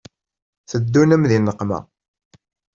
Teddun-am di nneqma.